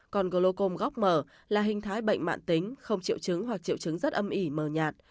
còn glocom góc mở là hình thái bệnh mạng tính không triệu chứng hoặc triệu chứng rất âm ỉ mờ nhạt